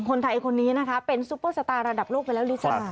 คนนี้นะคะเป็นซุปเปอร์สตาร์ระดับโลกไปแล้วลิซ่า